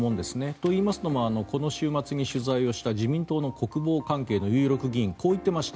といいますのもこの週末に取材をした自民党の国防関係の有力議員はこう言っていました。